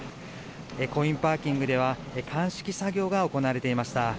コインパーキングでは鑑識作業が行われていました。